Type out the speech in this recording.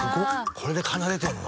これで奏でてるの？